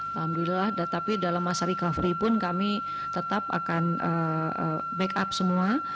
alhamdulillah tetapi dalam masa recovery pun kami tetap akan backup semua